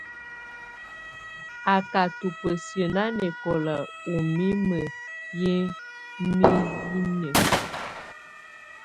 Á ka tubǝ́siǝ́ nanɛkɔla ù mimǝ́ yi miyinǝ́.